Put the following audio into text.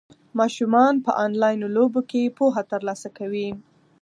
ماشومان په انلاین لوبو کې پوهه ترلاسه کوي.